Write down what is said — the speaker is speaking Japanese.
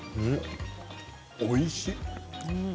おいしい。